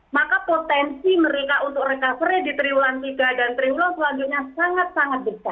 maka potensi mereka untuk recovery di triwulan tiga dan triwulan selanjutnya sangat sangat besar